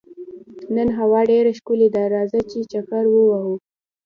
نن هوا ډېره ښکلې ده، راځه چې چکر ووهو.